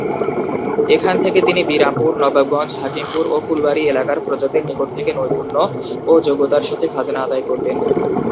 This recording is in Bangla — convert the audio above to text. এখান থেকে তিনি বিরামপুর, নবাবগঞ্জ, হাকিমপুর ও ফুলবাড়ী এলাকার প্রজাদের নিকট থেকে নৈপুণ্য ও যোগ্যতার সাথে খাজনা আদায় করতেন।